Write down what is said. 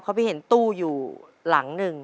เขาไปเห็นตู้อยู่หลังหนึ่ง